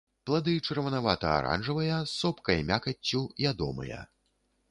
Плады чырванавата-аранжавыя, з сопкай мякаццю, ядомыя.